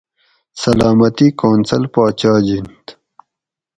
سلامتی کونسل پا چاجِنت